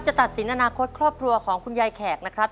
ตัดสินอนาคตครอบครัวของคุณยายแขกนะครับ